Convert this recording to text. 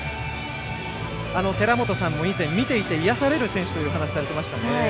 寺本さんも以前見ていて癒やされる選手だとお話されていましたね。